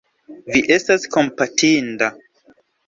Vi estas kompatinda.